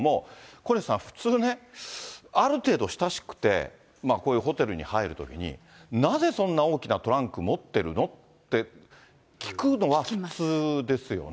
小西さん、普通ね、ある程度親しくて、こういうホテルに入るときに、なぜそんな大きなトランク持ってるの？って聞くのは普通ですよね。